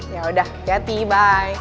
yaudah hati hati bye